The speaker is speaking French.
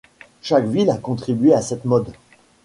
Chaque ville a contribué à cette mode.